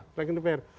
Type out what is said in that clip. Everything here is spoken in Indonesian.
silahkan ke dpr